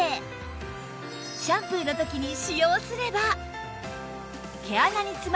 シャンプーの時に使用すれば